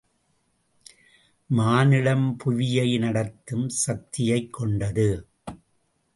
மானுடம் புவியை நடத்தும் சக்தியைக் கொண்டது.